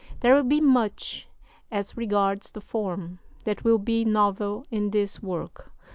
There will be much, as regards the form, that will be novel in this work.